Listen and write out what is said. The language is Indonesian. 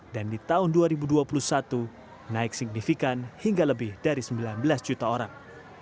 dan di tahun dua ribu dua puluh satu naik signifikan hingga lebih dari sembilan belas juta orang